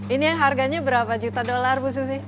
ini harganya berapa juta dolar bu susi